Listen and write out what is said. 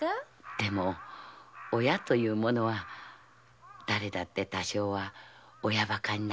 でも親というものは誰だって多少は親ばかになるものです。